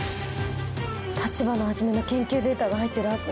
立花始の研究データが入ってるはず。